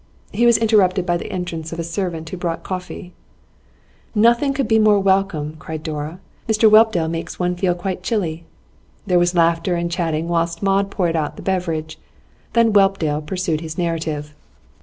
He was interrupted by the entrance of a servant who brought coffee. 'Nothing could be more welcome,' cried Dora. 'Mr Whelpdale makes one feel quite chilly.' There was laughter and chatting whilst Maud poured out the beverage. Then Whelpdale pursued his narrative.